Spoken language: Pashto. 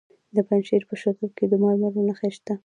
د پنجشیر په شتل کې د مرمرو نښې شته.